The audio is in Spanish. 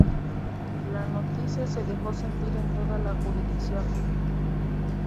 La noticia se dejó sentir en toda la jurisdicción.